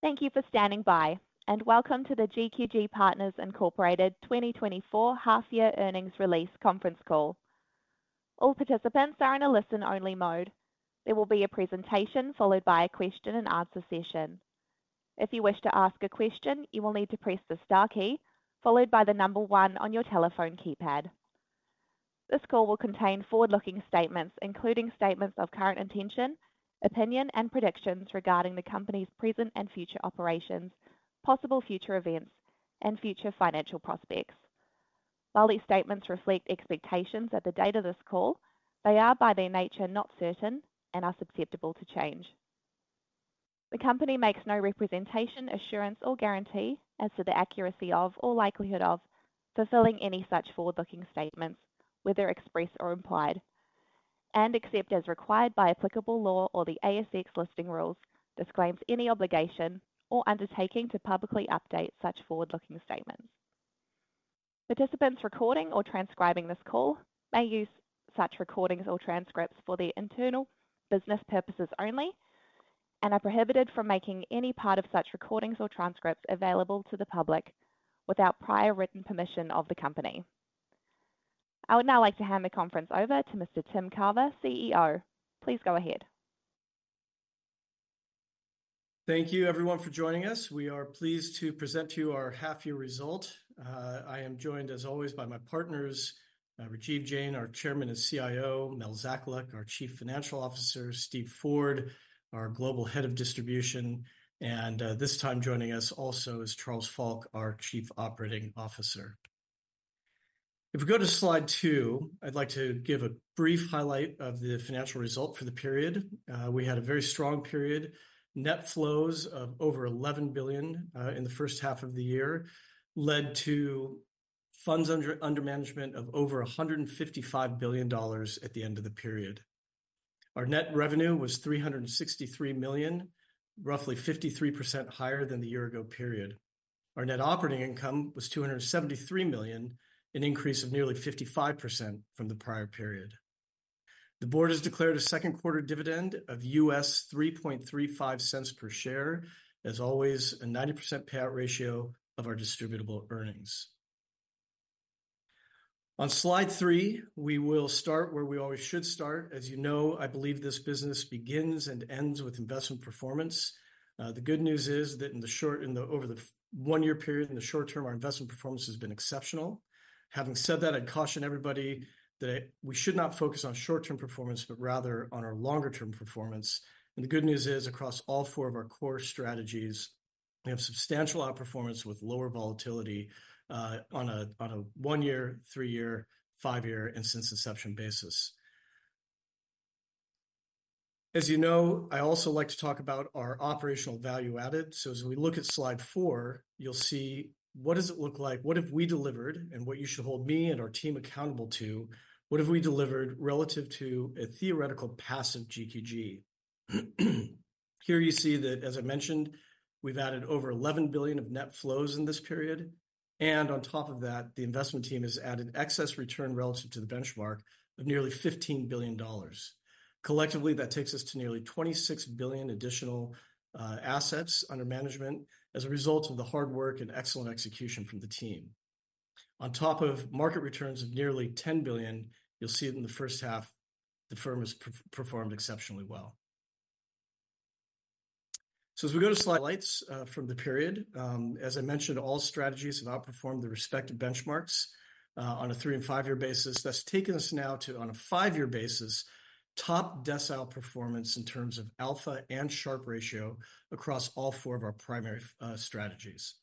Thank you for standing by, and welcome to the GQG Partners Incorporated 2024 half-year earnings release conference call. All participants are in a listen-only mode. There will be a presentation followed by a question-and-answer session. If you wish to ask a question, you will need to press the star key, followed by the number one on your telephone keypad. This call will contain forward-looking statements, including statements of current intention, opinion, and predictions regarding the company's present and future operations, possible future events, and future financial prospects. While these statements reflect expectations at the date of this call, they are, by their nature, not certain and are susceptible to change. The company makes no representation, assurance, or guarantee as to the accuracy of or likelihood of fulfilling any such forward-looking statements, whether express or implied, and except as required by applicable law or the ASX listing rules, disclaims any obligation or undertaking to publicly update such forward-looking statements. Participants recording or transcribing this call may use such recordings or transcripts for their internal business purposes only and are prohibited from making any part of such recordings or transcripts available to the public without prior written permission of the company. I would now like to hand the conference over to Mr. Tim Carver, CEO. Please go ahead. Thank you, everyone, for joining us. We are pleased to present to you our half-year result. I am joined, as always, by my partners, Rajiv Jain, our Chairman and CIO, Melodie Zakaluk, our Chief Financial Officer, Steve Ford, our Global Head of Distribution, and, this time joining us also is Charles Falck, our Chief Operating Officer. If we go to slide two, I'd like to give a brief highlight of the financial result for the period. We had a very strong period. Net flows of over $11 billion in the first half of the year led to funds under management of over $155 billion at the end of the period. Our net revenue was $363 million, roughly 53% higher than the year ago period. Our net operating income was $273 million, an increase of nearly 55% from the prior period. The board has declared a second quarter dividend of $0.0335 per share. As always, a 90% payout ratio of our distributable earnings. On slide three, we will start where we always should start. As you know, I believe this business begins and ends with investment performance. The good news is that over the one-year period, in the short term, our investment performance has been exceptional. Having said that, I'd caution everybody that we should not focus on short-term performance, but rather on our longer-term performance and the good news is, across all four of our core strategies, we have substantial outperformance with lower volatility on a one-year, three-year, five-year, and since inception basis. As you know, I also like to talk about our operational value added. So as we look at slide four, you'll see: what does it look like, what have we delivered, and what you should hold me and our team accountable to, what have we delivered relative to a theoretical passive GQG? Here you see that, as I mentioned, we've added over $11 billion of net flows in this period, and on top of that, the investment team has added excess return relative to the benchmark of nearly $15 billion. Collectively, that takes us to nearly $26 billion additional assets under management as a result of the hard work and excellent execution from the team. On top of market returns of nearly $10 billion, you'll see it in the first half, the firm has performed exceptionally well. As we go to slide eight, from the period, as I mentioned, all strategies have outperformed their respective benchmarks on a three- and five-year basis. That's taken us now to, on a five-year basis, top decile performance in terms of alpha and Sharpe ratio across all four of our primary strategies.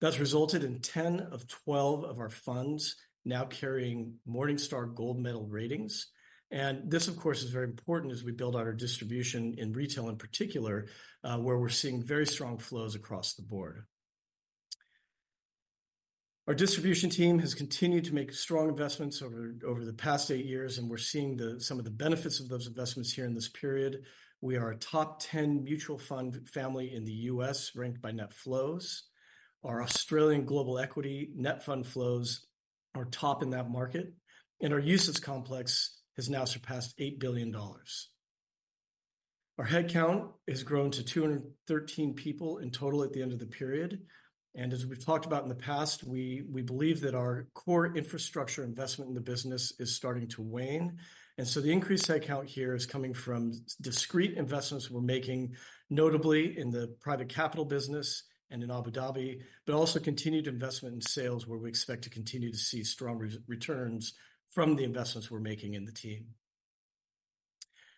That's resulted in 10 of 12 of our funds now carrying Morningstar gold-medal ratings and this, of course, is very important as we build out our distribution in retail, in particular, where we're seeing very strong flows across the board. Our distribution team has continued to make strong investments over the past eight years, and we're seeing some of the benefits of those investments here in this period. We are a top 10 mutual fund family in the U.S., ranked by net flows. Our Australian global equity net fund flows are top in that market, and our U.S. complex has now surpassed $8 billion. Our head count has grown to 213 people in total at the end of the period. As we've talked about in the past, we believe that our core infrastructure investment in the business is starting to wane. So the increased head count here is coming from discrete investments we're making, notably in the private capital business and in Abu Dhabi, but also continued investment in sales, where we expect to continue to see strong returns from the investments we're making in the team.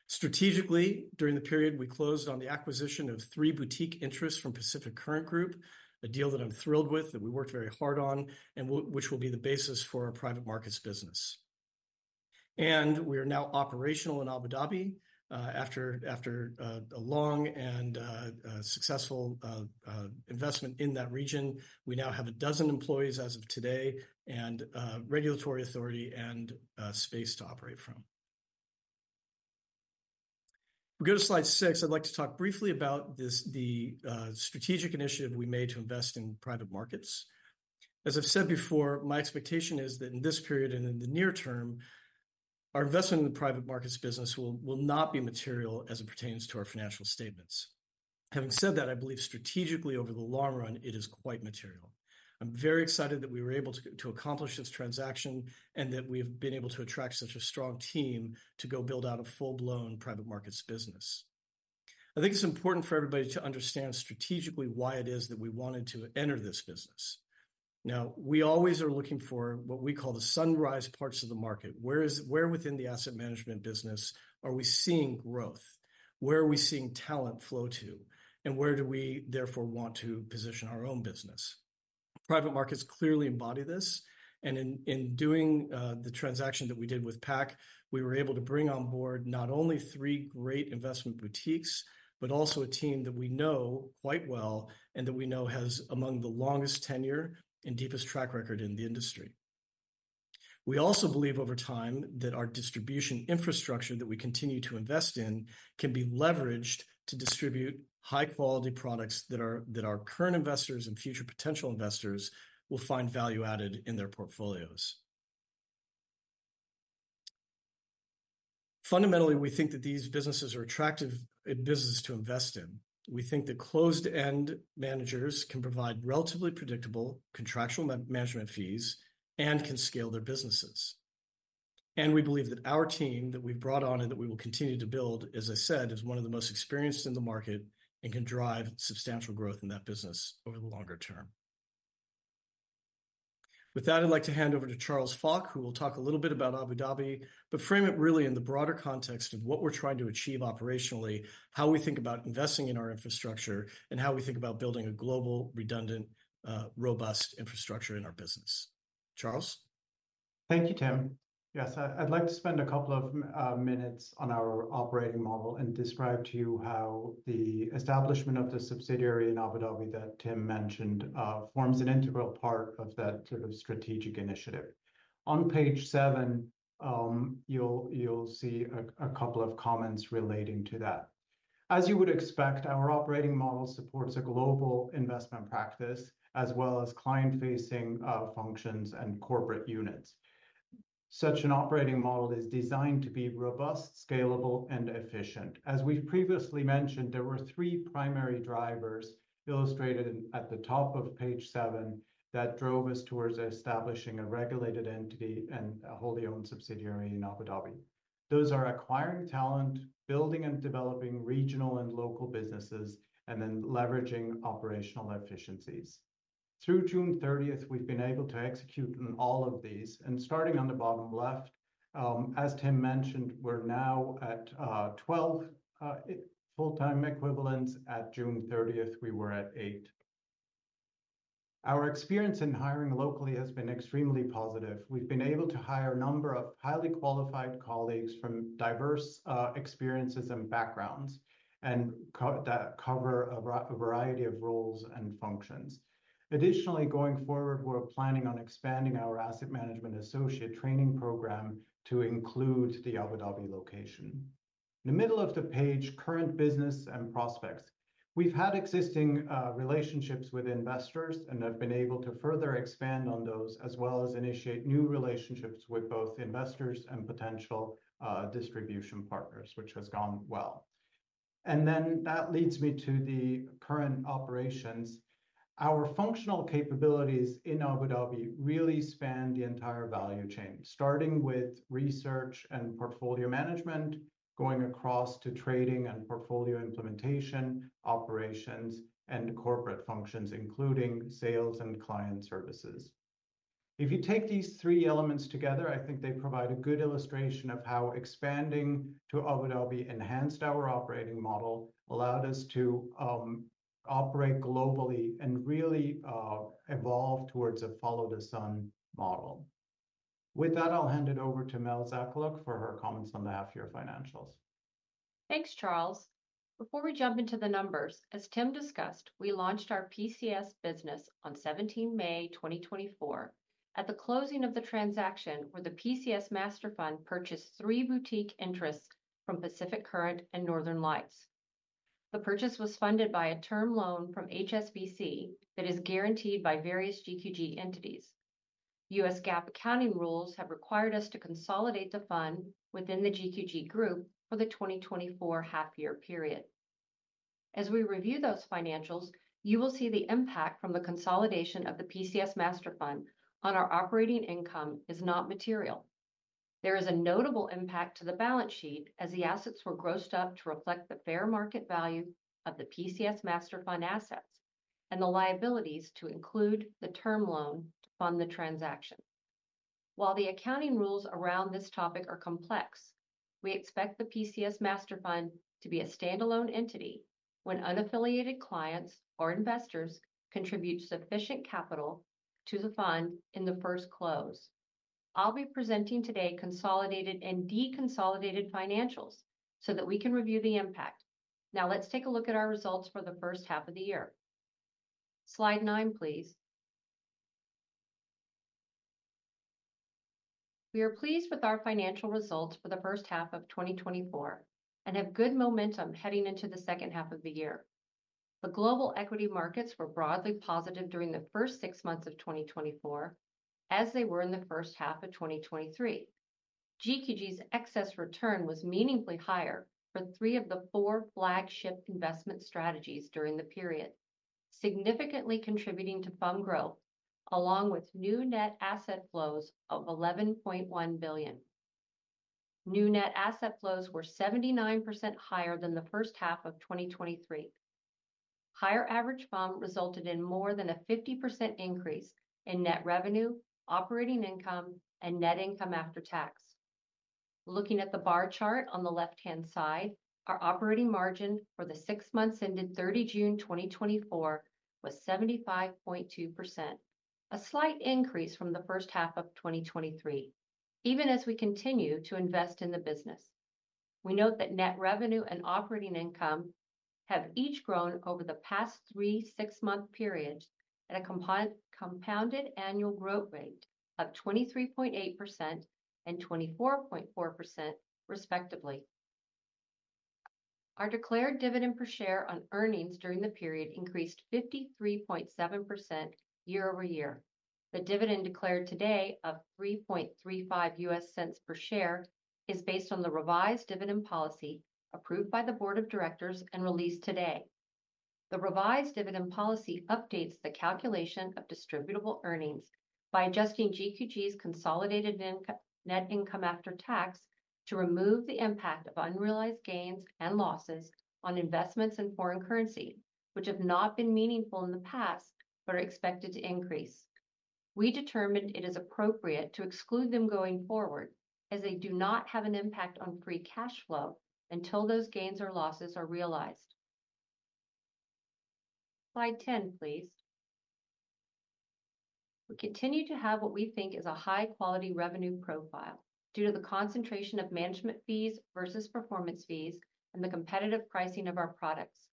Strategically, during the period, we closed on the acquisition of three boutique interests from Pacific Current Group, a deal that I'm thrilled with, that we worked very hard on, and which will be the basis for our private markets business. We are now operational in Abu Dhabi, after a long and successful investment in that region. We now have 12 employees as of today, and a regulatory authority and space to operate from. If we go to slide six, I'd like to talk briefly about this strategic initiative we made to invest in private markets. As I've said before, my expectation is that in this period and in the near term. Our investment in the private markets business will not be material as it pertains to our financial statements. Having said that, I believe strategically over the long run, it is quite material. I'm very excited that we were able to accomplish this transaction, and that we've been able to attract such a strong team to go build out a full-blown private markets business. I think it's important for everybody to understand strategically why it is that we wanted to enter this business. Now, we always are looking for what we call the sunrise parts of the market. Where within the asset management business are we seeing growth? Where are we seeing talent flow to, and where do we therefore want to position our own business? Private markets clearly embody this, and in, in doing, the transaction that we did with PAC, we were able to bring on board not only three great investment boutiques, but also a team that we know quite well and that we know has among the longest tenure and deepest track record in the industry. We also believe over time, that our distribution infrastructure that we continue to invest in, can be leveraged to distribute high-quality products that our, that our current investors and future potential investors will find value added in their portfolios. Fundamentally, we think that these businesses are attractive, business to invest in. We think that closed-end managers can provide relatively predictable contractual management fees and can scale their businesses. We believe that our team, that we've brought on and that we will continue to build, as I said, is one of the most experienced in the market and can drive substantial growth in that business over the longer term. With that, I'd like to hand over to Charles Falk, who will talk a little bit about Abu Dhabi, but frame it really in the broader context of what we're trying to achieve operationally, how we think about investing in our infrastructure, and how we think about building a global, redundant, robust infrastructure in our business. Charles? Thank you, Tim. Yes, I'd like to spend a couple of minutes on our operating model and describe to you how the establishment of the subsidiary in Abu Dhabi that Tim mentioned forms an integral part of that sort of strategic initiative. On page seven, you'll see a couple of comments relating to that. As you would expect, our operating model supports a global investment practice, as well as client-facing functions and corporate units. Such an operating model is designed to be robust, scalable, and efficient. As we've previously mentioned, there were three primary drivers illustrated at the top of page seven that drove us towards establishing a regulated entity and a wholly owned subsidiary in Abu Dhabi. Those are acquiring talent, building and developing regional and local businesses, and then leveraging operational efficiencies. Through June 30th, we've been able to execute on all of these, and starting on the bottom left, as Tim mentioned, we're now at 12 full-time equivalents. At June 30th, we were at eight. Our experience in hiring locally has been extremely positive. We've been able to hire a number of highly qualified colleagues from diverse experiences and backgrounds that cover a variety of roles and functions. Additionally, going forward, we're planning on expanding our asset management associate training program to include the Abu Dhabi location. In the middle of the page, current business and prospects. We've had existing relationships with investors and have been able to further expand on those, as well as initiate new relationships with both investors and potential distribution partners, which has gone well. Then that leads me to the current operations. Our functional capabilities in Abu Dhabi really span the entire value chain, starting with research and portfolio management, going across to trading and portfolio implementation, operations, and corporate functions, including sales and client services. If you take these three elements together, I think they provide a good illustration of how expanding to Abu Dhabi enhanced our operating model, allowed us to, operate globally and really, evolve towards a follow-the-sun model. With that, I'll hand it over to Melodie Zakaluk for her comments on the half-year financials. Thanks, Charles. Before we jump into the numbers, as Tim discussed, we launched our PCS business on 17 May 2024. At the closing of the transaction, where the PCS Master Fund purchased three boutique interests from Pacific Current and Northern Lights, the purchase was funded by a term loan from HSBC that is guaranteed by various GQG entities. U.S. GAAP accounting rules have required us to consolidate the fund within the GQG group for the 2024 half year period. As we review those financials, you will see the impact from the consolidation of the PCS Master Fund on our operating income is not material. There is a notable impact to the balance sheet as the assets were grossed up to reflect the fair market value of the PCS Master Fund assets, and the liabilities to include the term loan to fund the transaction. While the accounting rules around this topic are complex, we expect the PCS Master Fund to be a standalone entity when unaffiliated clients or investors contribute sufficient capital to the fund in the first close. I'll be presenting today consolidated and deconsolidated financials, so that we can review the impact. Now, let's take a look at our results for the first half of the year. Slide nine, please. We are pleased with our financial results for the first half of 2024, and have good momentum heading into the second half of the year. The global equity markets were broadly positive during the first six months of 2024, as they were in the first half of 2023. GQG's excess return was meaningfully higher for three of the four flagship investment strategies during the period, significantly contributing to FUM growth, along with new net asset flows of $11.1 billion. New net asset flows were 79% higher than the first half of 2023. Higher average FUM resulted in more than a 50% increase in net revenue, operating income, and net income after tax. Looking at the bar chart on the left-hand side, our operating margin for the six months ended 30 June 2024 was 75.2%, a slight increase from the first half of 2023, even as we continue to invest in the business. We note that net revenue and operating income have each grown over the past three six-month periods at a compounded annual growth rate of 23.8% and 24.4% respectively. Our declared dividend per share on earnings during the period increased 53.7% year-over-year. The dividend declared today of $0.0335 per share is based on the revised dividend policy approved by the board of directors and released today. The revised dividend policy updates the calculation of distributable earnings by adjusting GQG's consolidated net income after tax to remove the impact of unrealized gains and losses on investments in foreign currency, which have not been meaningful in the past, but are expected to increase. We determined it is appropriate to exclude them going forward, as they do not have an impact on free cash flow until those gains or losses are realized. Slide 10, please. We continue to have what we think is a high-quality revenue profile due to the concentration of management fees versus performance fees and the competitive pricing of our products.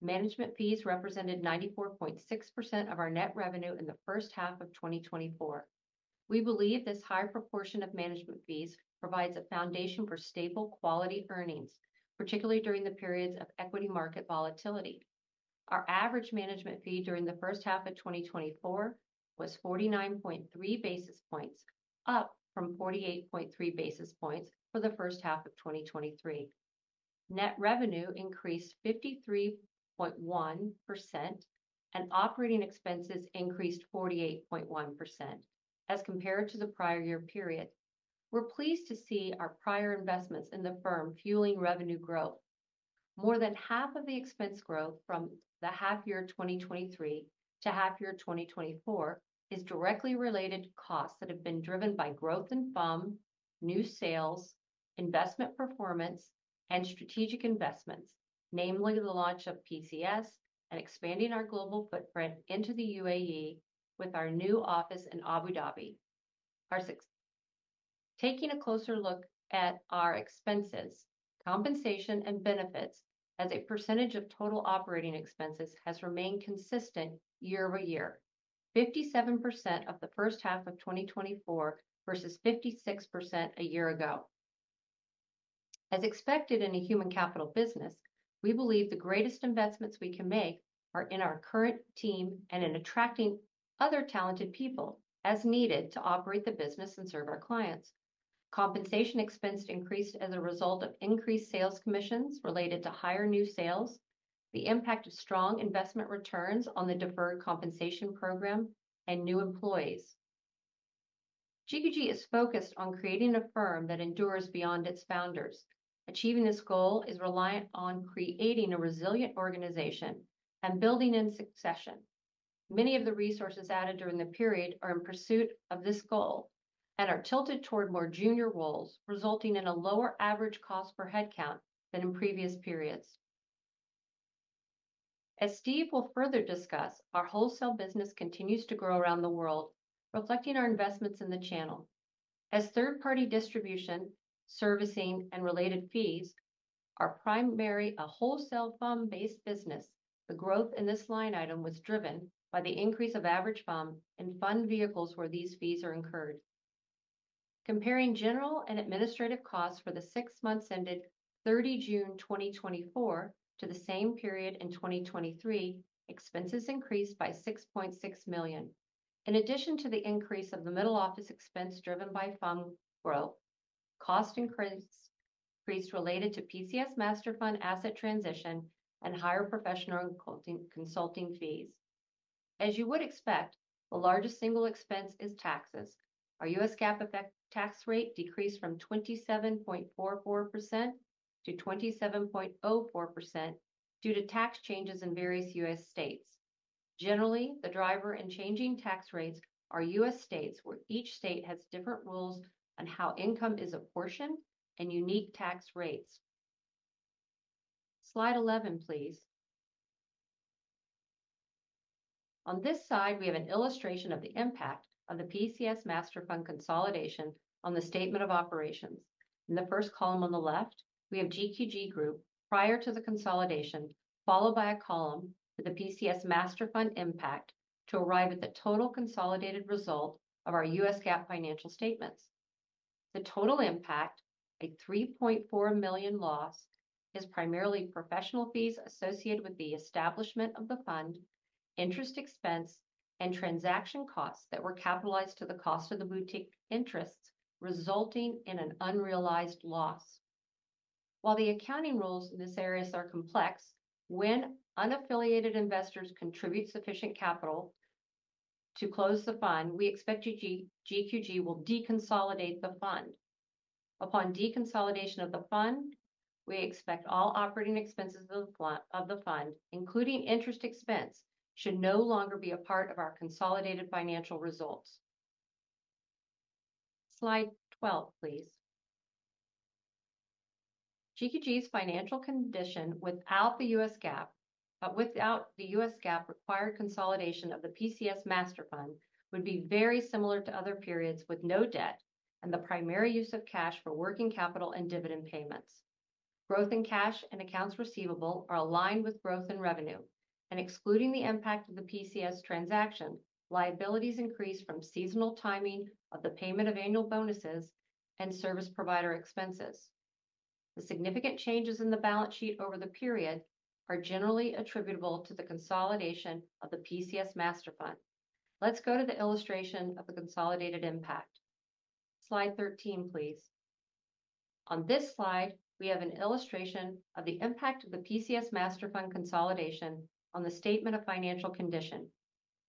Management fees represented 94.6% of our net revenue in the first half of 2024. We believe this high proportion of management fees provides a foundation for stable, quality earnings, particularly during the periods of equity market volatility. Our average management fee during the first half of 2024 was 49.3 basis points, up from 48.3 basis points for the first half of 2023. Net revenue increased 53.1%, and operating expenses increased 48.1% as compared to the prior year period. We're pleased to see our prior investments in the firm fueling revenue growth. More than half of the expense growth from the half year 2023 to half year 2024 is directly related to costs that have been driven by growth in FUM, new sales, investment performance, and strategic investments, namely the launch of PCS and expanding our global footprint into the UAE with our new office in Abu Dhabi. Taking a closer look at our expenses, compensation and benefits as a percentage of total operating expenses has remained consistent year-over-year. 57% of the first half of 2024 versus 56% a year ago. As expected in a human capital business, we believe the greatest investments we can make are in our current team and in attracting other talented people as needed to operate the business and serve our clients. Compensation expense increased as a result of increased sales commissions related to higher new sales, the impact of strong investment returns on the deferred compensation program, and new employees. GQG is focused on creating a firm that endures beyond its founders. Achieving this goal is reliant on creating a resilient organization and building in succession. Many of the resources added during the period are in pursuit of this goal and are tilted toward more junior roles, resulting in a lower average cost per headcount than in previous periods. As Steve will further discuss, our wholesale business continues to grow around the world, reflecting our investments in the channel. As third-party distribution, servicing, and related fees are primarily a wholesale FUM-based business, the growth in this line item was driven by the increase of average FUM and fund vehicles where these fees are incurred. Comparing general and administrative costs for the six months ended 30 June 2024 to the same period in 2023, expenses increased by $6.6 million. In addition to the increase of the middle office expense driven by FUM growth, costs increased related to PCS Master Fund asset transition and higher professional consulting fees. As you would expect, the largest single expense is taxes. Our U.S. GAAP effective tax rate decreased from 27.44% to 27.04% due to tax changes in various U.S. states. Generally, the driver in changing tax rates are U.S. states, where each state has different rules on how income is apportioned and unique tax rates. Slide 11, please. On this slide, we have an illustration of the impact of the PCS Master Fund consolidation on the statement of operations. In the first column on the left, we have GQG Group prior to the consolidation, followed by a column with the PCS Master Fund impact to arrive at the total consolidated result of our U.S. GAAP financial statements. The total impact, a $3.4 million loss, is primarily professional fees associated with the establishment of the fund, interest expense, and transaction costs that were capitalized to the cost of the boutique interests, resulting in an unrealized loss. While the accounting rules in this area are complex, when unaffiliated investors contribute sufficient capital to close the fund, we expect GQG will deconsolidate the fund. Upon deconsolidation of the fund, we expect all operating expenses of the fund, including interest expense, should no longer be a part of our consolidated financial results. Slide 12, please. GQG's financial condition without the U.S. GAAP, but without the U.S. GAAP-required consolidation of the PCS Master Fund, would be very similar to other periods with no debt and the primary use of cash for working capital and dividend payments. Growth in cash and accounts receivable are aligned with growth in revenue, and excluding the impact of the PCS transaction, liabilities increased from seasonal timing of the payment of annual bonuses and service provider expenses. The significant changes in the balance sheet over the period are generally attributable to the consolidation of the PCS Master Fund. Let's go to the illustration of the consolidated impact. Slide 13, please. On this slide, we have an illustration of the impact of the PCS Master Fund consolidation on the statement of financial condition.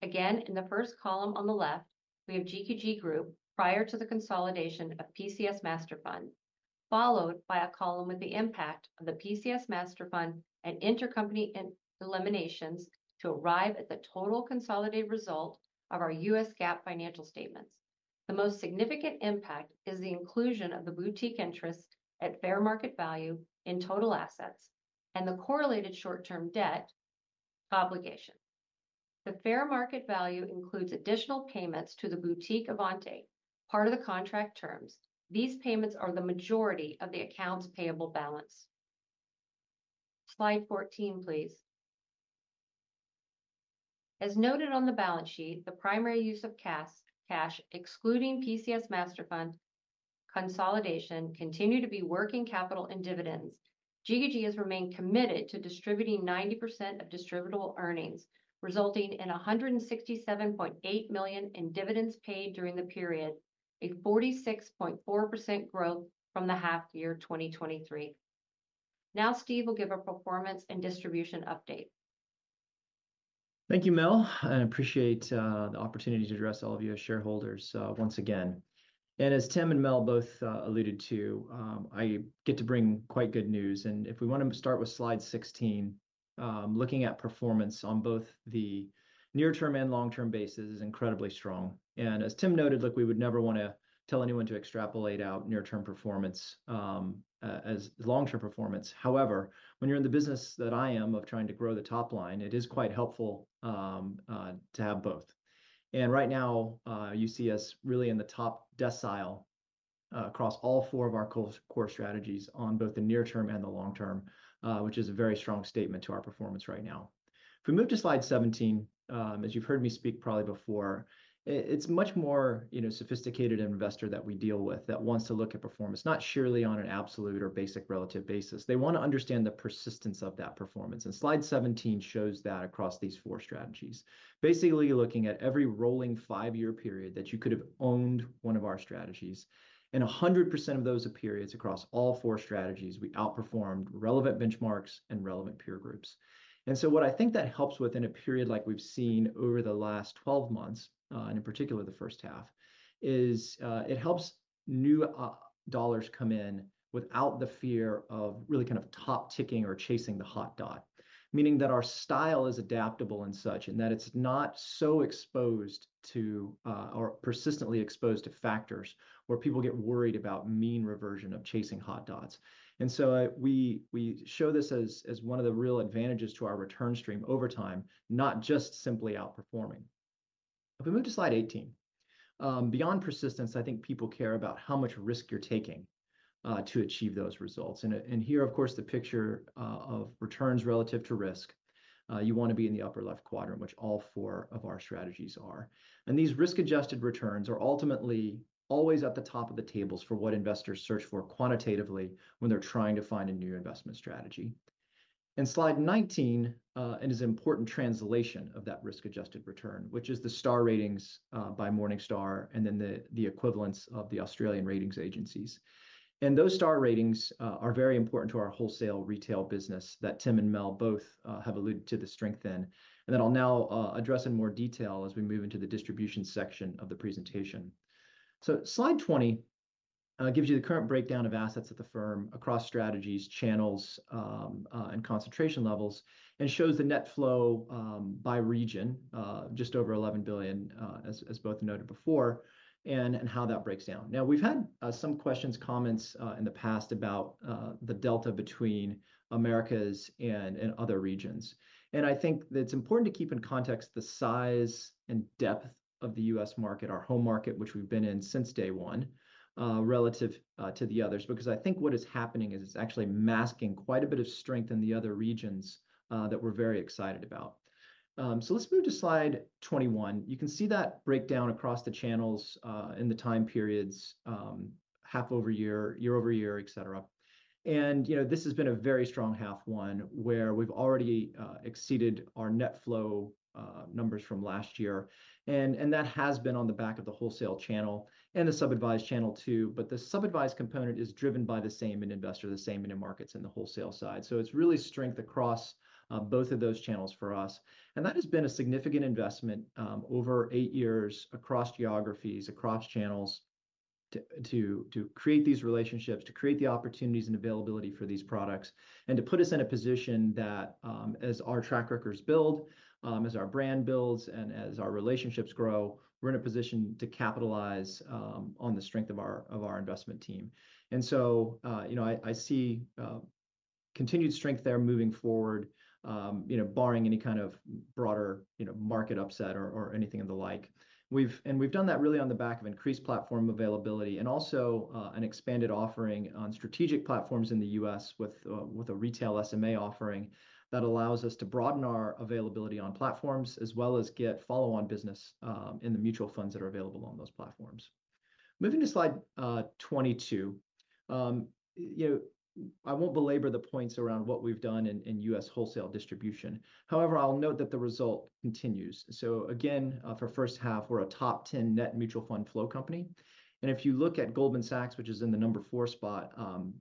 Again, in the first column on the left, we have GQG Group prior to the consolidation of PCS Master Fund, followed by a column with the impact of the PCS Master Fund and intercompany eliminations to arrive at the total consolidated result of our U.S. GAAP financial statements. The most significant impact is the inclusion of the boutique interest at fair market value in total assets and the correlated short-term debt obligation. The fair market value includes additional payments to the boutique Avante, part of the contract terms. These payments are the majority of the accounts payable balance. Slide 14, please. As noted on the balance sheet, the primary use of cash, excluding PCS Master Fund consolidation, continue to be working capital and dividends. GQG has remained committed to distributing 90% of distributable earnings, resulting in $167.8 million in dividends paid during the period, a 46.4% growth from the half year 2023. Now, Steve will give a performance and distribution update. Thank you, Mel. I appreciate the opportunity to address all of you as shareholders once again. As Tim and Mel both alluded to, I get to bring quite good news. If we want to start with slide 16, looking at performance on both the near-term and long-term basis is incredibly strong. As Tim noted, look, we would never want to tell anyone to extrapolate out near-term performance as long-term performance. However, when you're in the business that I am of trying to grow the top line, it is quite helpful to have both. Right now, you see us really in the top decile across all four of our core strategies on both the near term and the long term, which is a very strong statement to our performance right now. If we move to slide 17, as you've heard me speak probably before, it's much more, you know, sophisticated investor that we deal with that wants to look at performance, not surely on an absolute or basic relative basis. They want to understand the persistence of that performance, and slide 17 shows that across these four strategies. Basically, looking at every rolling five-year period that you could have owned one of our strategies, and 100% of those periods across all four strategies, we outperformed relevant benchmarks and relevant peer groups. So what I think that helps with in a period like we've seen over the last 12 months, and in particular the first half, is it helps new dollars come in without the fear of really kind of top ticking or chasing the hot dot. Meaning that our style is adaptable and such, and that it's not so exposed to, or persistently exposed to factors where people get worried about mean reversion of chasing hot dots, and so, we show this as one of the real advantages to our return stream over time, not just simply outperforming. If we move to slide 18. Beyond persistence, I think people care about how much risk you're taking to achieve those results. Here, of course, the picture of returns relative to risk, you want to be in the upper left quadrant, which all four of our strategies are and these risk-adjusted returns are ultimately always at the top of the tables for what investors search for quantitatively when they're trying to find a new investment strategy. Slide 19 and is an important translation of that risk-adjusted return, which is the star ratings by Morningstar, and then the equivalents of the Australian ratings agencies. Those star ratings are very important to our wholesale retail business that Tim and Mel both have alluded to the strength in. Then I'll now address in more detail as we move into the distribution section of the presentation. So slide 20 gives you the current breakdown of assets at the firm across strategies, channels, and concentration levels, and shows the net flow by region just over $11 billion, as both noted before, and how that breaks down. Now, we've had some questions, comments in the past about the delta between Americas and other regions. I think that it's important to keep in context the size and depth of the U.S. market, our home market, which we've been in since day one, relative to the others, because I think what is happening is it's actually masking quite a bit of strength in the other regions that we're very excited about. So let's move to slide 21. You can see that breakdown across the channels and the time periods, half-year-over-year, year-over-year, et cetera, and, you know, this has been a very strong H1, where we've already exceeded our net flow numbers from last year and that has been on the back of the wholesale channel and the sub-advised channel, too. But the sub-advised component is driven by the same end investor, the same end markets in the wholesale side. So it's really strength across both of those channels for us and that has been a significant investment over eight years across geographies, across channels to create these relationships, to create the opportunities and availability for these products, and to put us in a position that, as our track records build, as our brand builds, and as our relationships grow, we're in a position to capitalize on the strength of our investment team. So, you know, I see continued strength there moving forward, you know, barring any kind of broader market upset or anything of the like and we've done that really on the back of increased platform availability, and also, an expanded offering on strategic platforms in the U.S. with, with a retail SMA offering that allows us to broaden our availability on platforms, as well as get follow-on business, in the mutual funds that are available on those platforms. Moving to slide 22. You know, I won't belabor the points around what we've done in U.S. wholesale distribution, however, I'll note that the result continues. So again, for first half, we're a top 10 net mutual fund flow company. If you look at Goldman Sachs, which is in the number four spot,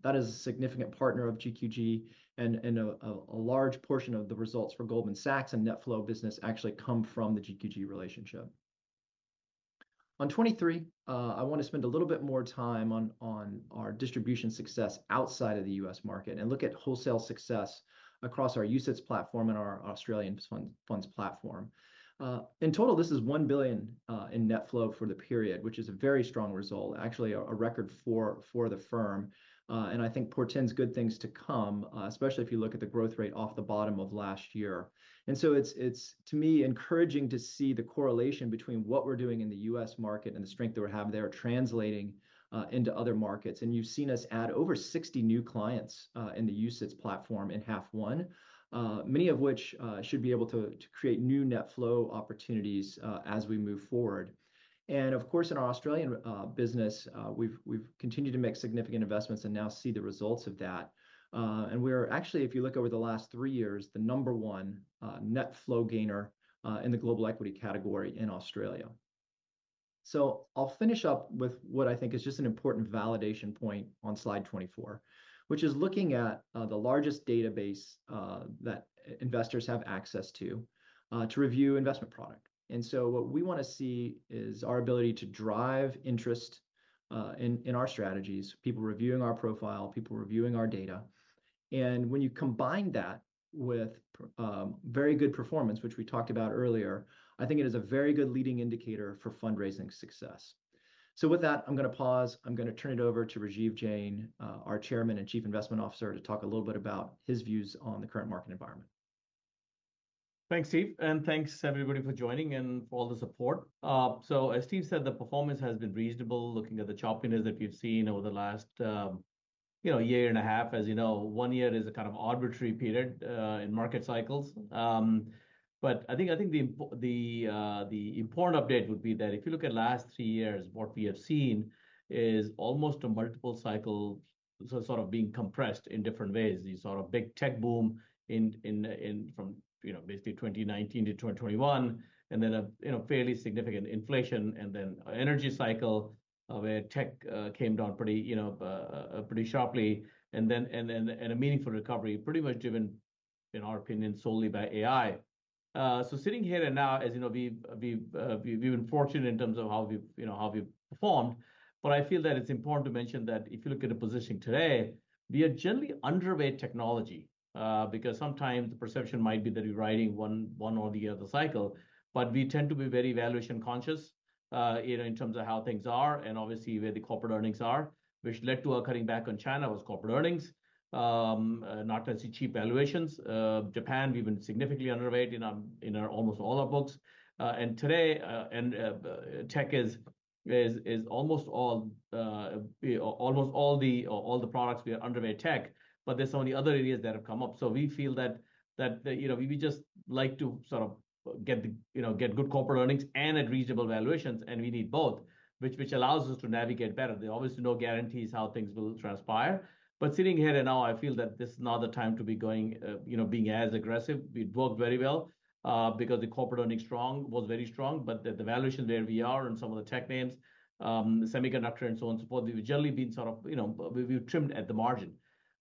that is a significant partner of GQG, and a large portion of the results for Goldman Sachs and net flow business actually come from the GQG relationship. On 2023, I wanna spend a little bit more time on our distribution success outside of the U.S. market, and look at wholesale success across our UCITS platform and our Australian funds platform. In total, this is $1 billion in net flow for the period, which is a very strong result, actually a record for the firm. I think portends good things to come, especially if you look at the growth rate off the bottom of last year. And so it's, to me, encouraging to see the correlation between what we're doing in the U.S. market and the strength that we have there translating into other markets. You've seen us add over 60 new clients in the UCITS platform in Half one, many of which should be able to create new net flow opportunities as we move forward and of course, in our Australian business, we've continued to make significant investments and now see the results of that. We're actually, if you look over the last 3 years, the number one net flow gainer in the global equity category in Australia. So I'll finish up with what I think is just an important validation point on slide 24, which is looking at the largest database that investors have access to to review investment product. So what we wanna see is our ability to drive interest in our strategies, people reviewing our profile, people reviewing our data. When you combine that with very good performance, which we talked about earlier, I think it is a very good leading indicator for fundraising success. With that, I'm gonna pause. I'm gonna turn it over to Rajiv Jain, our Chairman and Chief Investment Officer, to talk a little bit about his views on the current market environment. Thanks, Steve, and thanks everybody for joining and for all the support. So as Steve said, the performance has been reasonable, looking at the choppiness that we've seen over the last, you know, year and a half. As you know, one year is a kind of arbitrary period in market cycles. But I think the important update would be that if you look at last three years, what we have seen is almost a multiple cycle, so sort of being compressed in different ways. The sort of big tech boom from, you know, basically 2019-2021, and then a, you know, fairly significant inflation, and then an energy cycle, where tech came down pretty, you know, pretty sharply, and then a meaningful recovery, pretty much driven, in our opinion, solely by AI. So sitting here and now, as you know, we've been fortunate in terms of how we've, you know, how we've performed, but I feel that it's important to mention that if you look at the positioning today, we are generally underweight technology because sometimes the perception might be that we're riding one or the other cycle, but we tend to be very valuation conscious, you know, in terms of how things are and obviously where the corporate earnings are, which led to our cutting back on China, was corporate earnings. Not as cheap valuations. Japan, we've been significantly underweight in almost all our books. Today, tech is almost all the products we are underweight tech, but there's so many other areas that have come up. So we feel that, you know, we just like to sort of get the, you know, get good corporate earnings and at reasonable valuations, and we need both, which allows us to navigate better. There are obviously no guarantees how things will transpire, but sitting here now, I feel that this is not the time to be going, you know, being as aggressive. It worked very well, because the corporate earnings strong, was very strong, but the valuation where we are and some of the tech names, the semiconductor and so on, so forth, we've generally been sort of, you know, we've trimmed at the margin.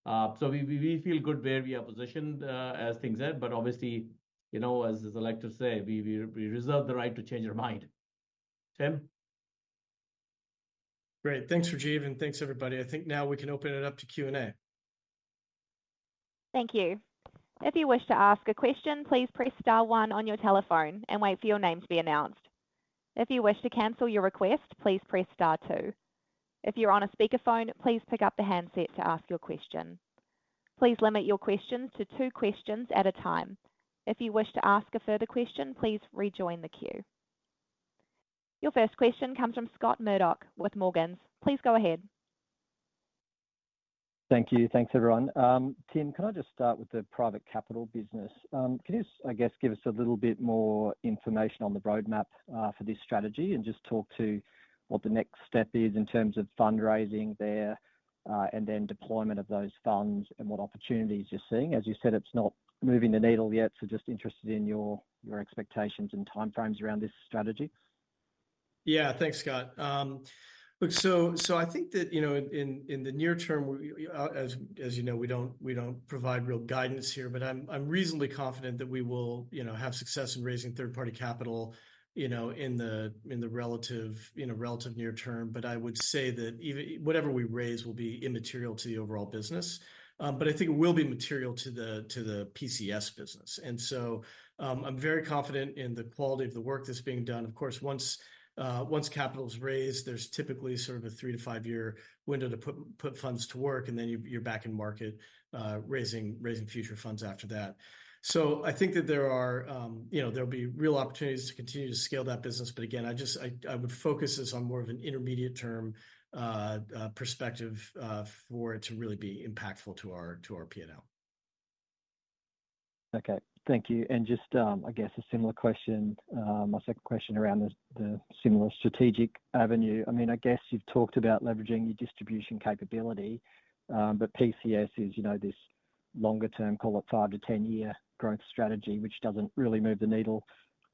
So we feel good where we are positioned, as things are, but obviously, you know, as I like to say, we reserve the right to change our mind. Tim? Great. Thanks, Rajiv, and thanks, everybody. I think now we can open it up to Q&A. Thank you. If you wish to ask a question, please press star one on your telephone and wait for your name to be announced. If you wish to cancel your request, please press star two. If you're on a speakerphone, please pick up the handset to ask your question. Please limit your questions to two questions at a time. If you wish to ask a further question, please rejoin the queue. Your first question comes from Scott Murdoch with Morgans. Please go ahead. Thank you. Thanks, everyone. Tim, can I just start with the private capital business? Can you, I guess, give us a little bit more information on the roadmap for this strategy, and just talk to what the next step is in terms of fundraising there, and then deployment of those funds and what opportunities you're seeing? As you said, it's not moving the needle yet, so just interested in your, your expectations and timeframes around this strategy. Yeah, thanks, Scott. Look, so I think that, you know, in the near term, as you know, we don't provide real guidance here, but I'm reasonably confident that we will, you know, have success in raising third-party capital, you know, in the relative near term. But I would say that even whatever we raise will be immaterial to the overall business. But I think it will be material to the PCS business. So, I'm very confident in the quality of the work that's being done. Of course, once capital is raised, there's typically sort of a 3-5-year window to put funds to work, and then you, you're back in market raising future funds after that. So I think that there are, you know, there'll be real opportunities to continue to scale that business. But again, I just would focus this on more of an intermediate-term perspective for it to really be impactful to our, to our P&L. Okay, thank you, and just, I guess a similar question, my second question around the, the similar strategic avenue. I mean, I guess you've talked about leveraging your distribution capability, but PCS is, you know, this longer-term, call it 5-10 year growth strategy, which doesn't really move the needle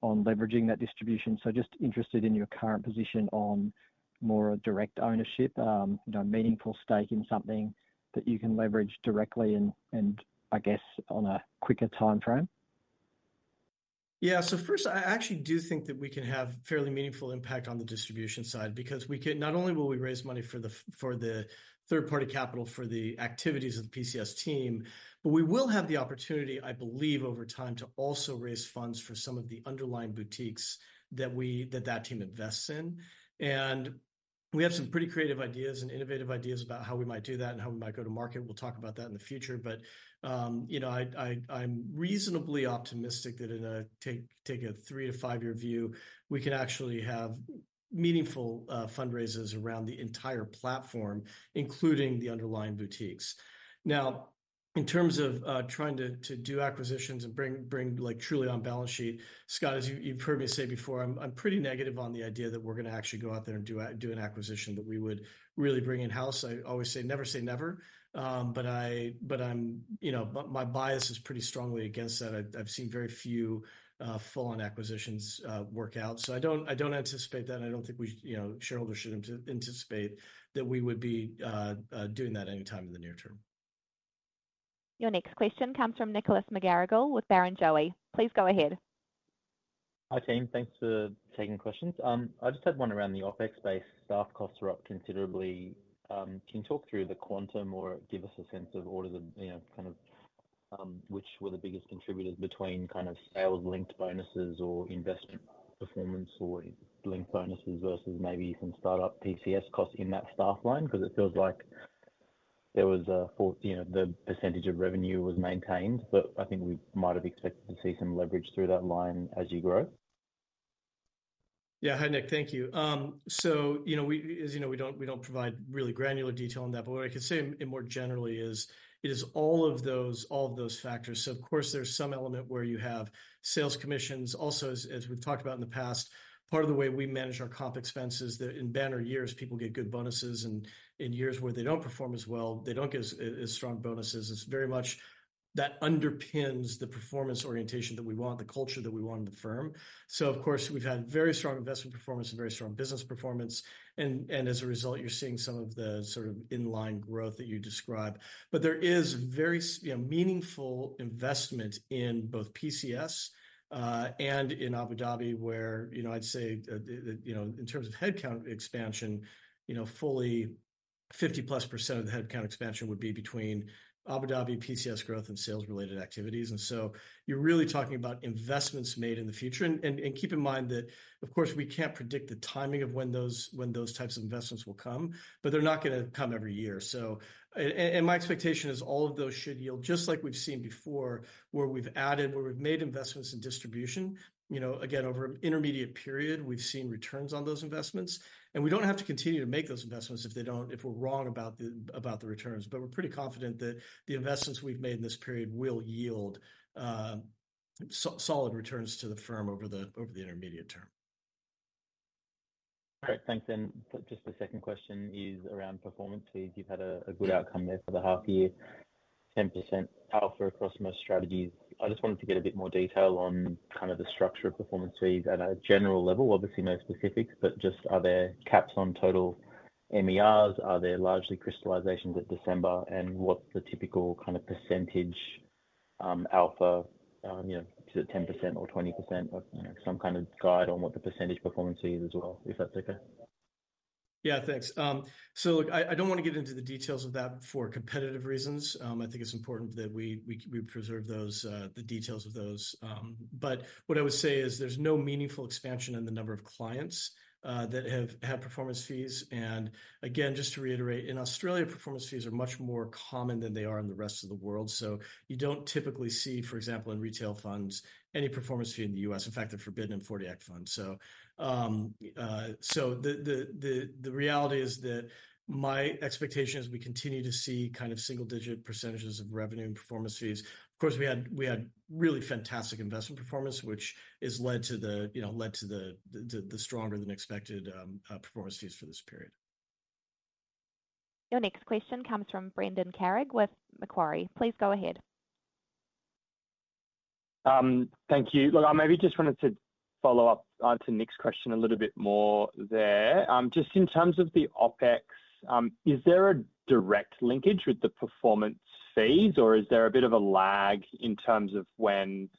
on leveraging that distribution. So just interested in your current position on more a direct ownership, you know, meaningful stake in something that you can leverage directly and, and I guess on a quicker timeframe. Yeah. So first, I actually do think that we can have fairly meaningful impact on the distribution side because we can not only will we raise money for the third-party capital, for the activities of the PCS team, but we will have the opportunity, I believe, over time, to also raise funds for some of the underlying boutiques that we, that team invests in. We have some pretty creative ideas and innovative ideas about how we might do that and how we might go to market. We'll talk about that in the future, but, you know, I, I'm reasonably optimistic that in a take a 3-5 year view, we can actually have meaningful fundraisers around the entire platform, including the underlying boutiques. Now, in terms of trying to do acquisitions and bring like truly on balance sheet, Scott, as you've heard me say before, I'm pretty negative on the idea that we're gonna actually go out there and do an acquisition that we would really bring in-house. I always say never say never. But I'm... You know, but my bias is pretty strongly against that. I've seen very few full-on acquisitions work out. So I don't anticipate that, and I don't think we, you know, shareholders should anticipate that we would be doing that anytime in the near term. Your next question comes from Nicholas McGarrigle with Barrenjoey. Please go ahead. Hi, team. Thanks for taking questions. I just had one around the OpEx base. Staff costs are up considerably. Can you talk through the quantum or give us a sense of what are the, you know, kind of, which were the biggest contributors between kind of sales-linked bonuses or investment performance or linked bonuses versus maybe some start-up PCS costs in that staff line because it feels like there was a fourth, you know, the percentage of revenue was maintained, but I think we might have expected to see some leverage through that line as you grow? Yeah. Hi, Nick. Thank you. So you know, we, as you know, we don't, we don't provide really granular detail on that, but what I can say more generally is, it is all of those, all of those factors. So of course, there's some element where you have sales commissions. Also, as we've talked about in the past, part of the way we manage our comp expenses, that in banner years, people get good bonuses, and in years where they don't perform as well, they don't get as, as strong bonuses. It's very much that underpins the performance orientation that we want, the culture that we want in the firm. So of course, we've had very strong investment performance and very strong business performance, and as a result, you're seeing some of the sort of in-line growth that you describe. But there is very significant meaningful investment in both PCS and in Abu Dhabi, where, you know, I'd say the, you know, in terms of headcount expansion, you know, fully 50%+ of the headcount expansion would be between Abu Dhabi, PCS growth, and sales-related activities. So you're really talking about investments made in the future. Keep in mind that, of course, we can't predict the timing of when those types of investments will come, but they're not gonna come every year. So my expectation is all of those should yield, just like we've seen before, where we've made investments in distribution. You know, again, over an intermediate period, we've seen returns on those investments, and we don't have to continue to make those investments if they don't, if we're wrong about the, about the returns. But we're pretty confident that the investments we've made in this period will yield solid returns to the firm over the, over the intermediate term. Great, thanks. Just the second question is around performance fees. You've had a good outcome there for the half year, 10% alpha across most strategies. I just wanted to get a bit more detail on kind of the structure of performance fees at a general level. Obviously, no specifics, but just are there caps on total MERs? Are they largely crystallizations at December and what's the typical kind of percentage, alpha, you know, is it 10% or 20% or, you know, some kind of guide on what the percentage performance fee is as well? If that's okay. Yeah, thanks. So look, I don't want to get into the details of that for competitive reasons. I think it's important that we preserve those, the details of those. But what I would say is there's no meaningful expansion in the number of clients that have had performance fees. Again, just to reiterate, in Australia, performance fees are much more common than they are in the rest of the world. So you don't typically see, for example, in retail funds, any performance fee in the U.S. In fact, they're forbidden in 40 Act funds. So the reality is that my expectation is we continue to see kind of single-digit percentages of revenue and performance fees. Of course, we had really fantastic investment performance, which has led to the, you know, stronger than expected performance fees for this period. Your next question comes from Brendan Carrig with Macquarie. Please go ahead. Thank you. Look, I maybe just wanted to follow up on to Nick's question a little bit more there. Just in terms of the OpEx, is there a direct linkage with the performance fees, or is there a bit of a lag in terms of when,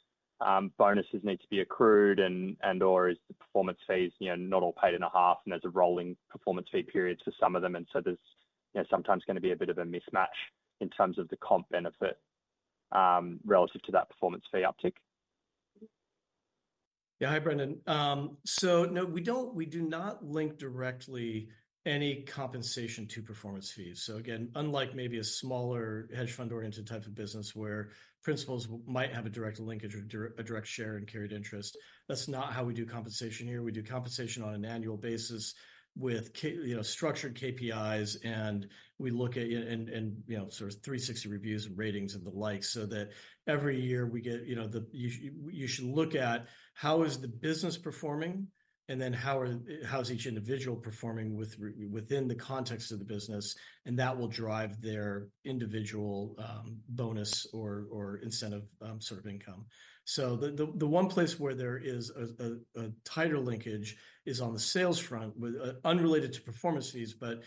bonuses need to be accrued and, or is the performance fees, you know, not all paid in a half, and there's a rolling performance fee period for some of them, and so there's, you know, sometimes gonna be a bit of a mismatch in terms of the comp benefit, relative to that performance fee uptick? Yeah. Hi, Brendan. So no, we do not link directly any compensation to performance fees. So again, unlike maybe a smaller hedge fund-oriented type of business, where principals might have a direct linkage or a direct share in carried interest, that's not how we do compensation here. We do compensation on an annual basis with key, you know, structured KPIs, and we look at and, you know, sort of 360 reviews and ratings and the like. So that every year we get, you know, you should look at how is the business performing, and then how is each individual performing within the context of the business, and that will drive their individual bonus or incentive sort of income. So the one place where there is a tighter linkage is on the sales front, with unrelated to performance fees, but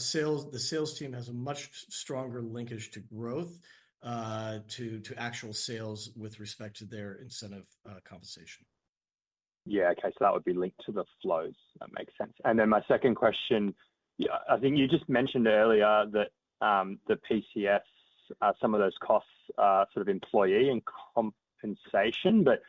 sales, the sales team has a much stronger linkage to growth, to actual sales with respect to their incentive compensation. Yeah, okay. So that would be linked to the flows. That makes sense. Then my second question, yeah, I think you just mentioned earlier that the PCS, some of those costs are sort of employee and compensation, but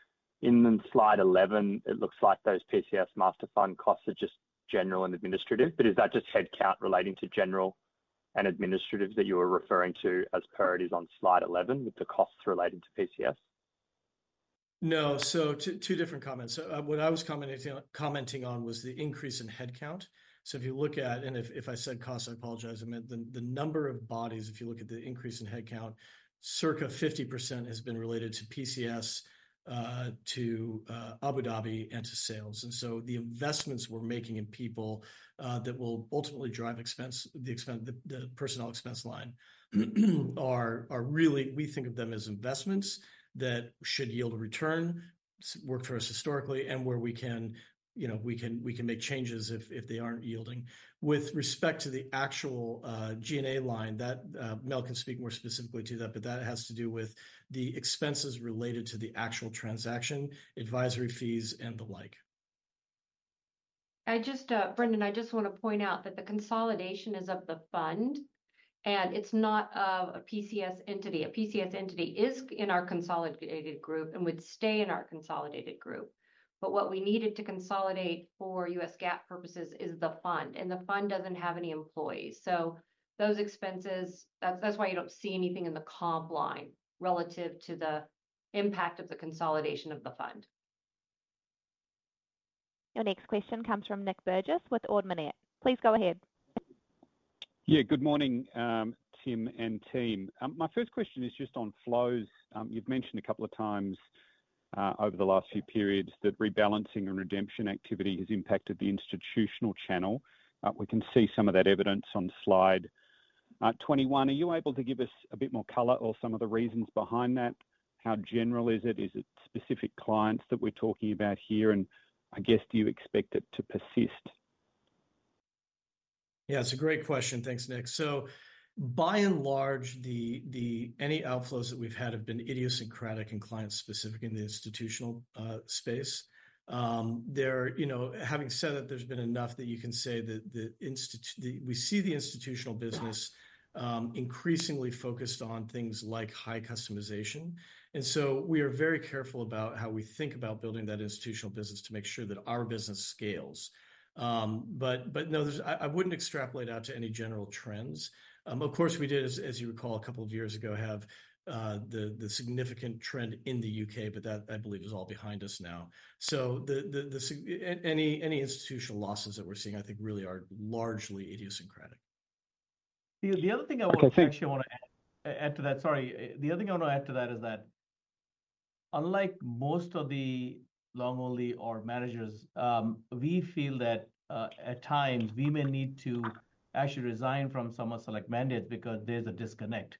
in slide 11, it looks like those PCS Master Fund costs are just general and administrative, but is that just headcount relating to general and administrative that you were referring to as per it is on slide 11 with the costs relating to PCS? No, so two different comments. What I was commenting on was the increase in headcount. So if you look at, and if I said costs, I apologize, I meant the number of bodies, if you look at the increase in headcount, circa 50% has been related to PCS, to Abu Dhabi, and to sales. So the investments we're making in people, that will ultimately drive expense, the personnel expense line, are really we think of them as investments that should yield a return, worked for us historically, and where we can, you know, we can make changes if they aren't yielding. With respect to the actual G&A line, that Mel can speak more specifically to that, but that has to do with the expenses related to the actual transaction, advisory fees, and the like. Brendan, I just wanna point out that the consolidation is of the fund, and it's not of a PCS entity. A PCS entity is in our consolidated group and would stay in our consolidated group. But what we needed to consolidate for U.S. GAAP purposes is the fund, and the fund doesn't have any employees. So those expenses, that's, that's why you don't see anything in the comp line relative to the impact of the consolidation of the fund. Your next question comes from Nick Burgess with Ord Minnett. Please go ahead. Yeah, good morning, Tim and team. My first question is just on flows. You've mentioned a couple of times over the last few periods that rebalancing and redemption activity has impacted the institutional channel. We can see some of that evidence on slide 21. Are you able to give us a bit more color or some of the reasons behind that? How general is it? Is it specific clients that we're talking about here? I guess, do you expect it to persist? Yeah, it's a great question. Thanks, Nick. So by and large, any outflows that we've had have been idiosyncratic and client-specific in the institutional space. They're, you know, having said that, there's been enough that you can say that we see the institutional business increasingly focused on things like high customization. So we are very careful about how we think about building that institutional business to make sure that our business scales. But, but no, there's... I wouldn't extrapolate out to any general trends. Of course, we did, as you recall, a couple of years ago, have the significant trend in the U.K., but that, I believe, is all behind us now. So any institutional losses that we're seeing, I think, really are largely idiosyncratic. Okay, thank. The other thing I actually wanna add to that, sorry. The other thing I wanna add to that is that unlike most of the long-only or managers, we feel that at times we may need to actually resign from some of select mandates because there's a disconnect.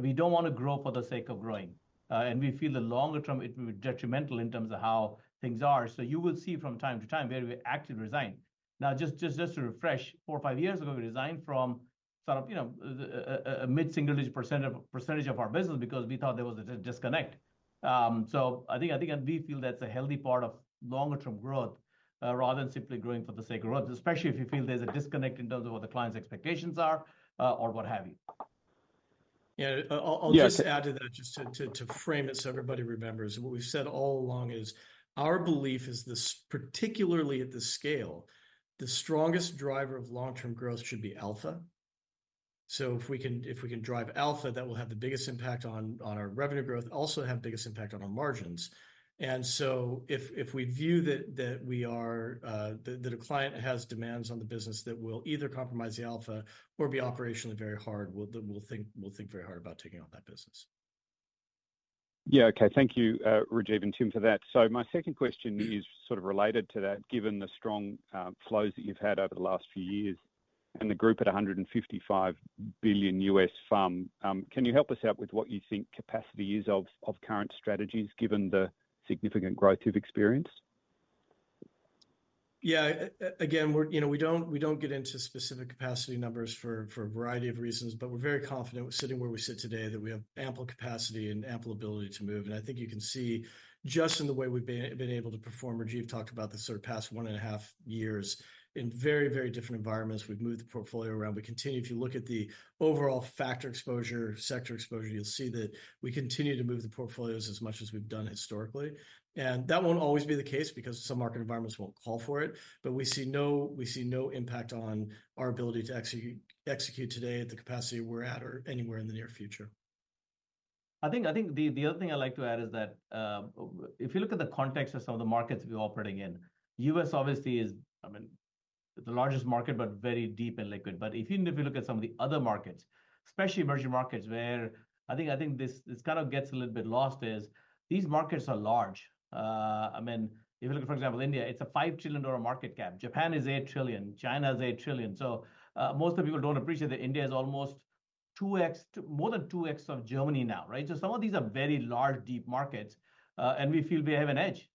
We don't wanna grow for the sake of growing, and we feel the longer term, it will be detrimental in terms of how things are. So you will see from time to time where we actually resign. Now, just to refresh, four or five years ago, we resigned from sort of, you know, a mid-single-digit percentage of our business because we thought there was a disconnect. So I think and we feel that's a healthy part of longer-term growth, rather than simply growing for the sake of growth, especially if you feel there's a disconnect in terms of what the client's expectations are, or what have you. Yeah, I'll just add to that, just to frame it so everybody remembers. What we've said all along is, our belief is this, particularly at this scale, the strongest driver of long-term growth should be alpha. So if we can, if we can drive alpha, that will have the biggest impact on our revenue growth, also have the biggest impact on our margins. So if we view that a client has demands on the business that will either compromise the alpha or be operationally very hard, we'll then think very hard about taking on that business. Yeah, okay. Thank you, Rajiv and Tim, for that. So my second question is sort of related to that, given the strong flows that you've had over the last few years and the group at $155 billion U.S. fund. Can you help us out with what you think capacity is of current strategies, given the significant growth you've experienced? Yeah, again, we're, you know, we don't get into specific capacity numbers for a variety of reasons, but we're very confident with sitting where we sit today, that we have ample capacity and ample ability to move. I think you can see just in the way we've been able to perform. Rajiv talked about this sort of past 1.5 years, in very, very different environments, we've moved the portfolio around. We continue, if you look at the overall factor exposure, sector exposure, you'll see that we continue to move the portfolios as much as we've done historically and that won't always be the case because some market environments won't call for it, but we see no impact on our ability to execute today at the capacity we're at or anywhere in the near future. I think the other thing I'd like to add is that, if you look at the context of some of the markets we're operating in, U.S. obviously is, I mean, the largest market, but very deep and liquid. But if you look at some of the other markets, especially emerging markets, where I think this kind of gets a little bit lost, is these markets are large. I mean, if you look at, for example, India, it's a $5 trillion market cap. Japan is $8 trillion. China is $8 trillion. So, most of the people don't appreciate that India is almost 2x, more than 2x of Germany now, right? So some of these are very large, deep markets. We feel we have an edge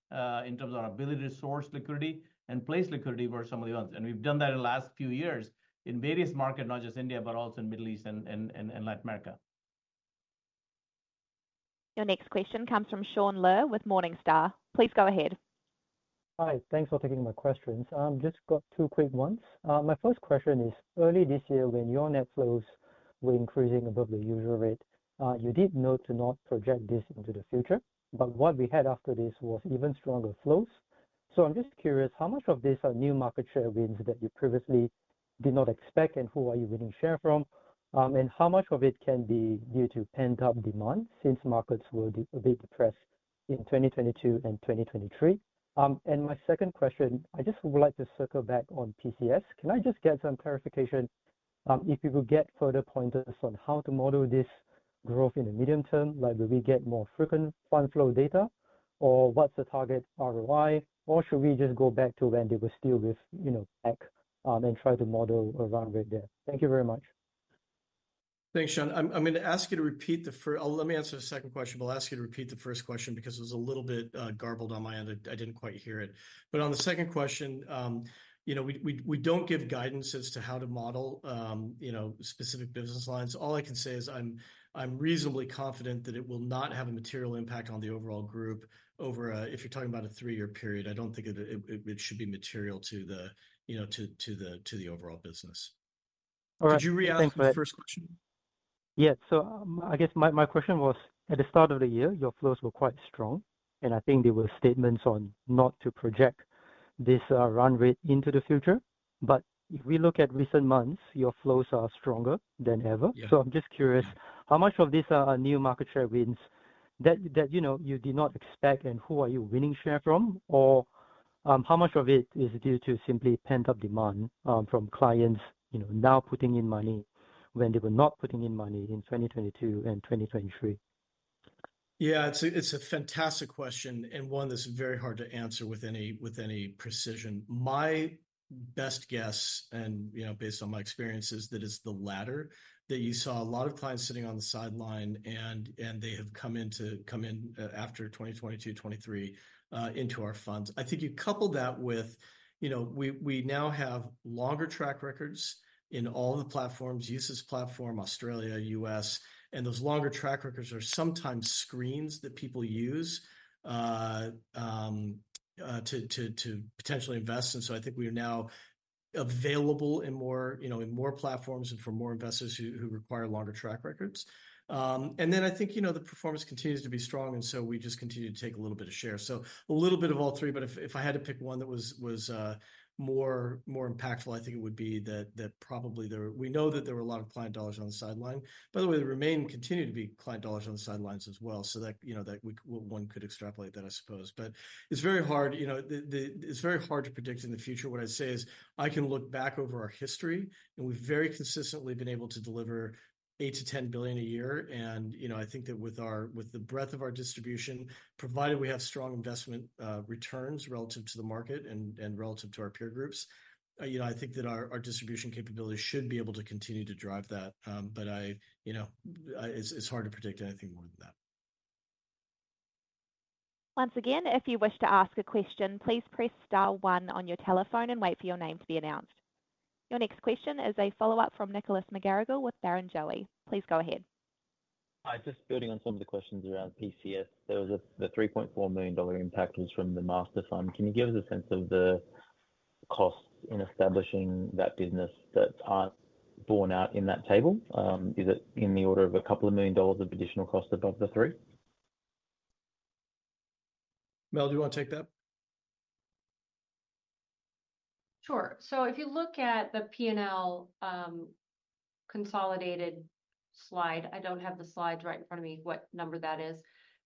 in terms of our ability to source liquidity and place liquidity over some of the others. And we've done that in the last few years in various markets, not just India, but also in the Middle East and Latin America. Your next question comes from Shaun Ler with Morningstar. Please go ahead. Hi, thanks for taking my questions. Just got two quick ones. My first question is, early this year, when your net flows were increasing above the usual rate, you did note to not project this into the future, but what we had after this was even stronger flows. So I'm just curious, how much of this are new market share wins that you previously did not expect, and who are you winning share from and how much of it can be due to pent-up demand since markets were a bit depressed in 2022 and 2023? My second question, I just would like to circle back on PCS. Can I just get some clarification, if you could get further pointers on how to model this growth in the medium term? Like, do we get more frequent fund flow data, or what's the target ROI, or should we just go back to when they were still with, you know, Black, and try to model around it there? Thank you very much. Thanks, Shaun. I'm gonna ask you to repeat the first. Let me answer the second question, but I'll ask you to repeat the first question because it was a little bit garbled on my end. I didn't quite hear it. But on the second question, you know, we don't give guidance as to how to model, you know, specific business lines. All I can say is I'm reasonably confident that it will not have a material impact on the overall group over a, if you're talking about a three-year period, I don't think it should be material to the, you know, to the overall business. All right. Could you re-ask the first question? Yeah. So I guess my, my question was, at the start of the year, your flows were quite strong, and I think there were statements on not to project this run rate into the future, but if we look at recent months, your flows are stronger than ever. Yeah. So I'm just curious, how much of this are new market share wins that you know you did not expect, and who are you winning share from or, how much of it is due to simply pent-up demand from clients, you know, now putting in money when they were not putting in money in 2022 and 2023? Yeah, it's a fantastic question, and one that's very hard to answer with any precision. My best guess, and, you know, based on my experience, is that it's the latter, that you saw a lot of clients sitting on the sideline and they have come in to come in after 2022, 2023, into our funds. I think you couple that with, you know, we now have longer track records in all the platforms, UCITS platform, Australia, U.S., and those longer track records are sometimes screens that people use to potentially invest. So I think we are now available in more, you know, in more platforms and for more investors who require longer track records. Then I think, you know, the performance continues to be strong, and so we just continue to take a little bit of share. So a little bit of all three, but if I had to pick one that was more impactful, I think it would be that, that probably there. We know that there were a lot of client dollars on the sideline. By the way, there remain continue to be client dollars on the sidelines as well, so that, you know, that we- one could extrapolate that, I suppose. But it's very hard, you know, the, the-- it's very hard to predict in the future. What I'd say is, I can look back over our history, and we've very consistently been able to deliver $8 billion-$10 billion a year. You know, I think that with the breadth of our distribution, provided we have strong investment returns relative to the market and relative to our peer groups, you know, I think that our distribution capabilities should be able to continue to drive that. But I, you know, it's hard to predict anything more than that. Once again, if you wish to ask a question, please press star one on your telephone and wait for your name to be announced. Your next question is a follow-up from Nicholas McGarrigle with Barrenjoey. Please go ahead. Hi, just building on some of the questions around PCS. There was the $3.4 million impact was from the master fund. Can you give us a sense of the costs in establishing that business that aren't borne out in that table? Is it in the order of $ a couple of million of additional cost above the three? Mel, do you want to take that? Sure. So if you look at the PNL consolidated slide, I don't have the slides right in front of me, what number that is.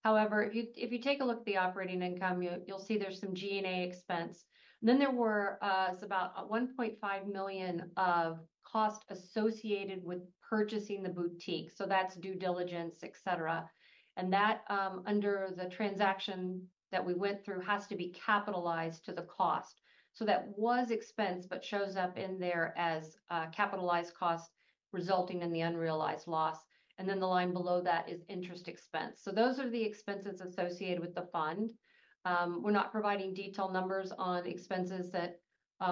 However, if you take a look at the operating income, you'll see there's some G&A expense. Then there were about $1.5 million of cost associated with purchasing the boutique, so that's due diligence, et cetera, and that, under the transaction that we went through, has to be capitalized to the cost. So that was expense, but shows up in there as a capitalized cost, resulting in the unrealized loss and then the line below that is interest expense. So those are the expenses associated with the fund. We're not providing detailed numbers on expenses that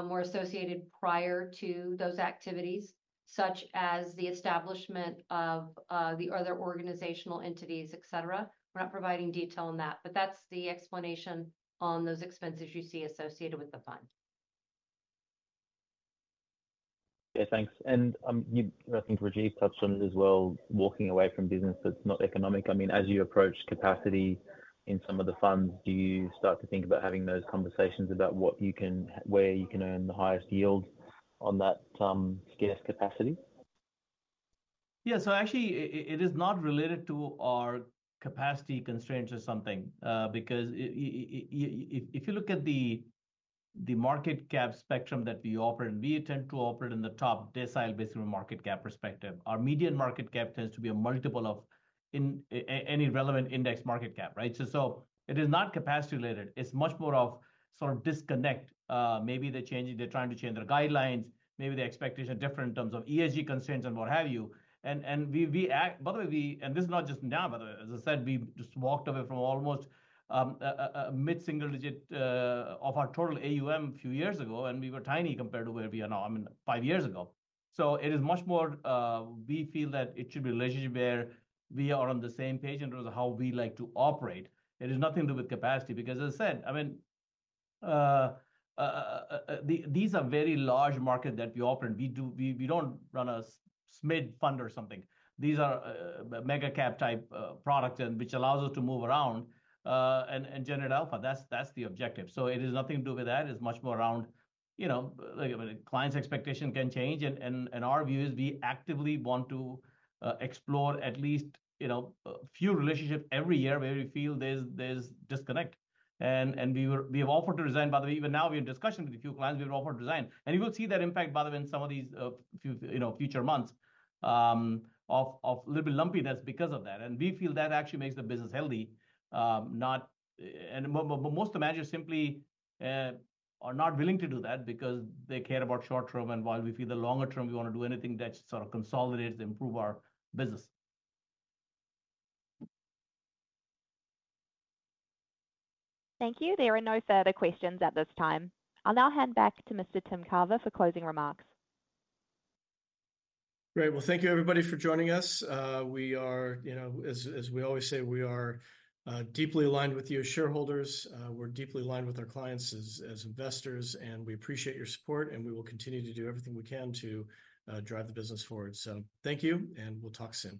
were associated prior to those activities, such as the establishment of the other organizational entities, et cetera. We're not providing detail on that, but that's the explanation on those expenses you see associated with the fund. Yeah, thanks. I think Rajiv touched on it as well, walking away from business that's not economic. I mean, as you approach capacity in some of the funds, do you start to think about having those conversations about what you can, where you can earn the highest yield on that, scarce capacity? Yeah. So actually, it is not related to our capacity constraints or something, because if you look at the market cap spectrum that we operate, and we tend to operate in the top decile based on a market cap perspective. Our median market cap tends to be a multiple of any relevant index market cap, right? So it is not capacity related, it's much more of sort of disconnect. Maybe they're changing, they're trying to change their guidelines, maybe the expectations are different in terms of ESG constraints and what have you and we act— by the way, we... This is not just now, but as I said, we just walked away from almost a mid-single digit of our total AUM a few years ago, and we were tiny compared to where we are now, I mean, five years ago. So it is much more. We feel that it should be a relationship where we are on the same page in terms of how we like to operate. It has nothing to do with capacity because, as I said, I mean, these are very large market that we operate, and we don't run a SMID fund or something. These are mega-cap type product, and which allows us to move around and generate alpha. That's the objective. So it has nothing to do with that. It's much more around, you know, like client's expectation can change, and our view is we actively want to explore at least, you know, a few relationships every year where we feel there's disconnect and we have offered to resign, by the way, even now, we're in discussion with a few clients, we've offered to resign. You will see that impact, by the way, in some of these few, you know, future months of little bit lumpiness because of that and we feel that actually makes the business healthy. But most of the managers simply are not willing to do that because they care about short term, and while we feel the longer term, we want to do anything that sort of consolidates and improve our business. Thank you. There are no further questions at this time. I'll now hand back to Mr. Tim Carver for closing remarks. Great. Well, thank you, everybody, for joining us. We are, you know, as we always say, we are deeply aligned with you as shareholders. We're deeply aligned with our clients as investors, and we appreciate your support, and we will continue to do everything we can to drive the business forward. So thank you, and we'll talk soon.